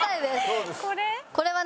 これはね